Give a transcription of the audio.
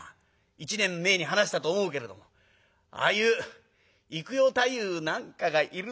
一年前に話したと思うけれどもああいう幾代太夫なんかがいるところは大見世だ。